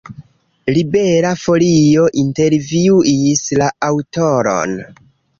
Libera Folio intervjuis la aŭtoron.